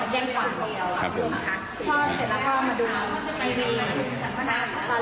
คนนี้แน่นอนแล้วก็เงี้ยงกระเป๋าได้เองในตีดูก็เลยโทรมา